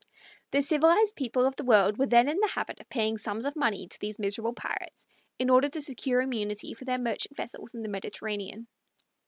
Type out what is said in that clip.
The civilized people of the world were then in the habit of paying sums of money to these miserable pirates, in order to secure immunity for their merchant vessels in the Mediterranean.